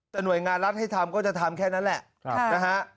แต่หน่วยงานรัฐให้ทำก็จะทำแค่นั้นแหละนะฮะ